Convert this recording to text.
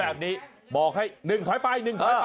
แบบนี้บอกให้๑ถอยไป